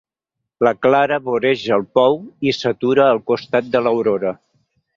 La Clara voreja el pou i s'atura al costat de l'Aurora.